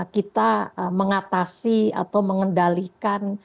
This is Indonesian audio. kita mengatasi atau mengendalikan